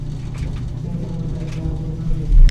সে তোমাদের জাহাজের নাবিক।